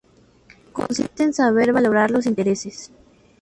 Consiste en saber valorar los intereses.